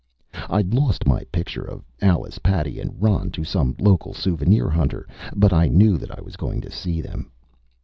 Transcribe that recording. I'd lost my picture of Alice, Patty and Ron to some local souvenir hunter. But I knew that I was going to see them....